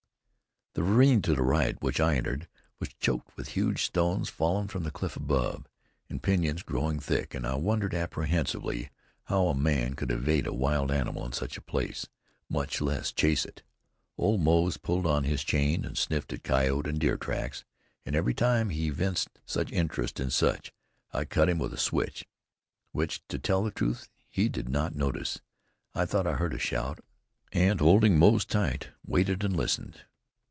The ravine to the right, which I entered, was choked with huge stones fallen from the cliff above, and pinyons growing thick; and I wondered apprehensively how a man could evade a wild animal in such a place, much less chase it. Old Moze pulled on his chain and sniffed at coyote and deer tracks. And every time he evinced interest in such, I cut him with a switch, which, to tell the truth, he did not notice. I thought I heard a shout, and holding Moze tight, I waited and listened.